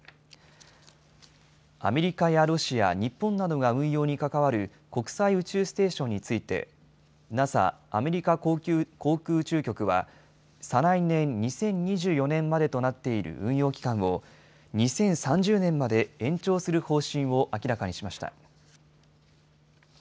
アメリカやロシア、日本などが運用に関わる国際宇宙ステーションについて、ＮＡＳＡ・アメリカ航空宇宙局は、再来年・２０２４年までとなっている運用期間を、２０３０年まで延長する方針を明らかにしました。